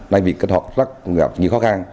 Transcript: nên việc kết hợp rất gặp nhiều khó khăn